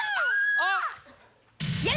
あっ！